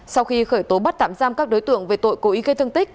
sau khi khởi tố bắt tạm giam các đối tượng về tội cố ý gây thương tích